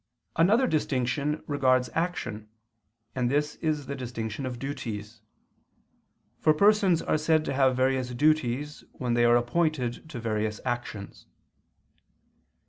Another distinction regards action and this is the distinction of duties: for persons are said to have various duties when they are appointed to various actions.